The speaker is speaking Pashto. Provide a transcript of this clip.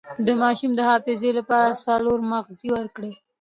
د ماشوم د حافظې لپاره څلور مغز ورکړئ